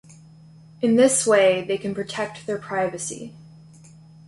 In this way, they can protect their privacy.